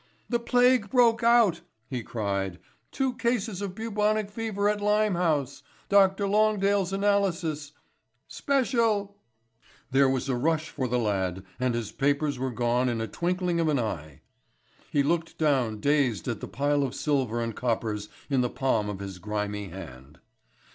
"The plague broke out," he cried; "two cases of bubonic fever at Limehouse. Dr. Longdale's analysis. Speshull." There was a rush for the lad and his papers were gone in a twinkling of an eye. He looked down dazed at the pile of silver and coppers in the palm of his grimy hand.